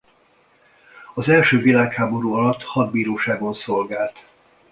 Az első világháború alatt hadbíróságon szolgált.